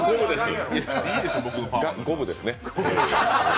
五分ですね。